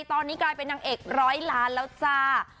ตอนนี้กลายเป็นนางเอกร้อยล้านแล้วจ้า